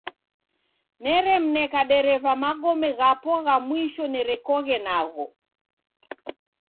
Neremneka dereva magome ghapo gha mwisho nerekoghe nagho.